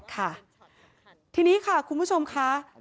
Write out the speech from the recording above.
ค่ะทีนี้ค่ะคุณผู้ชมค่ะ